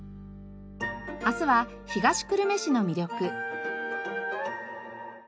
明日は東久留米市の魅力。